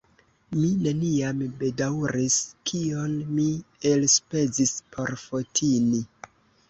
Mi neniam bedaŭris, kion mi elspezis por Fotini.